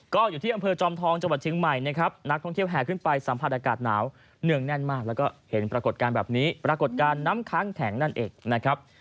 ก็อยู่ที่อำเภอจอมทองจังหวัดเชียงใหม่นะครับนักท่องเที่ยวแห่ขึ้นไปสัมผัสอากาศหนาวเนื่องแน่นมากแล้วก็เห็นปรากฏการณ์แบบนี้ปรากฏการณ์น้ำค้างแข็งนั่นเองนะครับ